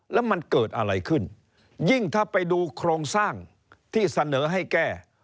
แล้วมันเกิดอะไรขึ้นยิ่งถ้าไปดูโครงสร้างที่เสนอให้แก้